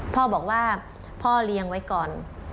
พ่อบอกว่าพ่อเลี้ยงไว้ก่อน